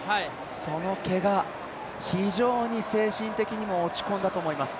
そのけが、非常に精神的にも落ち込んだと思います。